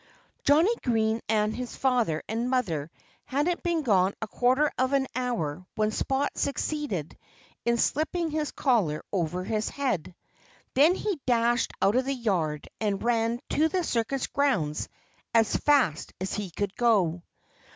Johnnie Green and his father and mother hadn't been gone a quarter of an hour when Spot succeeded in slipping his collar over his head. Then he dashed out of the yard and ran to the circus grounds as fast as he could go.